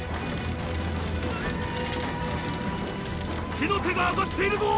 火の手が上がっているぞ！